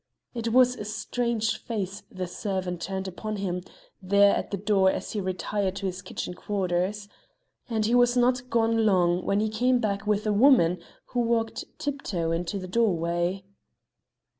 It was a strange face the servant turned upon him there at the door as he retired to his kitchen quarters. And he was not gone long when he came back with a woman who walked tiptoe into the doorway.